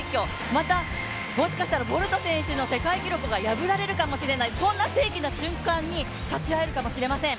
またもしかしたらボルト選手の世界記録が破られるかもしれない、そんな世紀の瞬間に立ち会えるかもしれません。